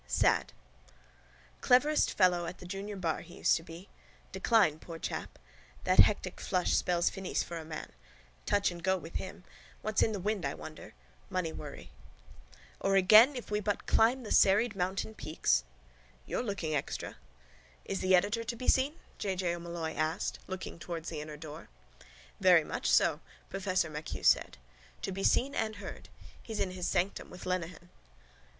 SAD Cleverest fellow at the junior bar he used to be. Decline, poor chap. That hectic flush spells finis for a man. Touch and go with him. What's in the wind, I wonder. Money worry. —Or again if we but climb the serried mountain peaks. —You're looking extra. —Is the editor to be seen? J. J. O'Molloy asked, looking towards the inner door. —Very much so, professor MacHugh said. To be seen and heard. He's in his sanctum with Lenehan.